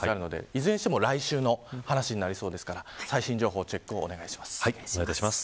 いずれにしても来週の話ですから最新情報のチェックをお願いします。